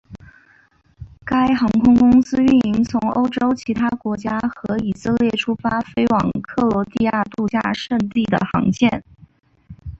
该航空公司运营从欧洲其他国家和以色列出发飞往克罗地亚度假胜地的航线。